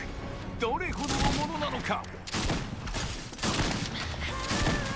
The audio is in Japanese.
どれほどのものなのか？